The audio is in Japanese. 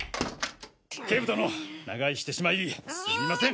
警部殿長居してしまいすみません。